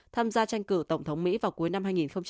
tham gia tranh cử tổng thống mỹ vào cuối năm hai nghìn hai mươi bốn